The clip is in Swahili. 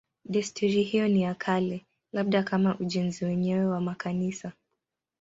Desturi hiyo ni ya kale, labda kama ujenzi wenyewe wa makanisa.